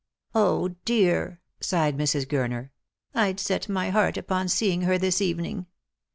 " dear !" sighed Mrs. Gurner, " I'd set my heart upon seeing her this evening."